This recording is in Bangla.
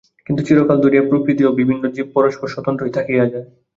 কিন্তু চিরকাল ধরিয়া প্রকৃতি ও বিভিন্ন জীব পরস্পর স্বতন্ত্রই থাকিয়া যায়।